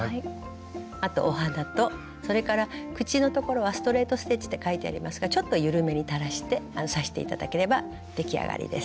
あとお鼻とそれから口のところはストレート・ステッチって書いてありますがちょっと緩めに垂らして刺して頂ければ出来上がりです。